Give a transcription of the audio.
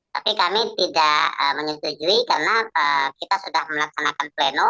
tapi kami tidak menyetujui karena kita sudah melaksanakan pleno